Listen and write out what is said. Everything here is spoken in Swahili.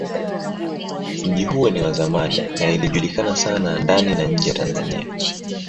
Mji huo ni wa zamani na ilijulikana sana ndani na nje ya Tanzania.